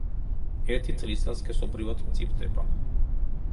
ერთი წლისა სქესობრივად მწიფდება.